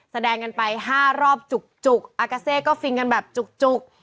แสดงกันไป๕รอบจุกอากาเซก็ฟินกันแบบจุก